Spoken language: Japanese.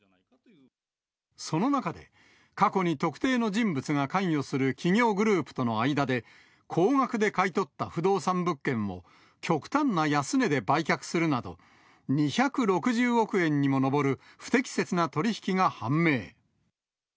その中で、過去に特定の人物が関与する企業グループとの間で、高額で買い取った不動産物件を、極端な安値で売却するなど、２６０億円にも上る不適切な取り引きが判明。